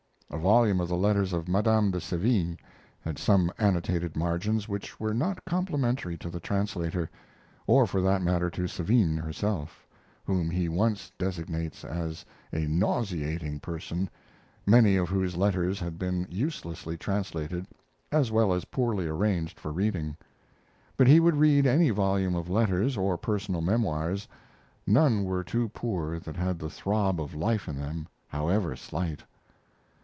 A volume of the Letters of Madame de Sevigne had some annotated margins which were not complimentary to the translator, or for that matter to Sevigne herself, whom he once designates as a "nauseating" person, many of whose letters had been uselessly translated, as well as poorly arranged for reading. But he would read any volume of letters or personal memoirs; none were too poor that had the throb of life in them, however slight.